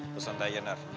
pesan tanya nar